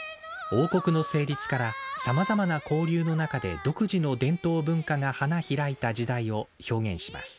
王国の成立からさまざまな交流の中で独自の伝統文化が花開いた時代を表現します